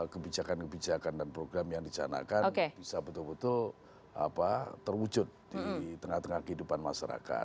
kebijakan kebijakan dan program yang dicanakan bisa betul betul terwujud di tengah tengah kehidupan masyarakat